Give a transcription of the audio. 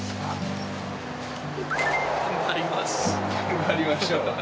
頑張りましょう。